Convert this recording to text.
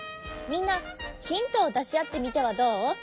みんなヒントをだしあってみてはどう？